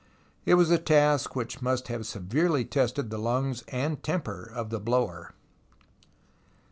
It was a task which must have severely tested the lungs and temper of the blower.